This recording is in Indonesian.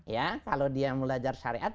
ya kalau dia mau belajar syari'at